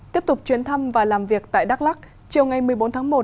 tiếp tục chuyến thăm và làm việc tại đắk lắc chiều ngày một mươi bốn tháng một